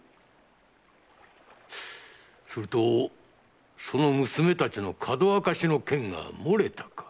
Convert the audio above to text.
するとその娘たちのかどわかしの件がもれたか？